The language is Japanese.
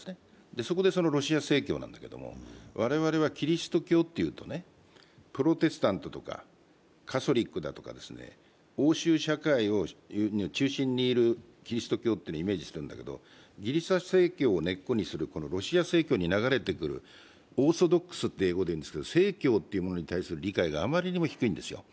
そこでロシア正教なんだけど、我々はキリスト教というとプロテスタントとかカソリックだとか、欧州社会にいるキリスト教をイメージするんだけれども、ギリシャ正教を根っことするロシア正教に流れてくるオーソドックスと英語で言うんですが正教というものに対する理解があまりにも低いんですよ。